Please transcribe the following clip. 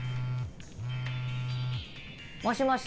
もしもし。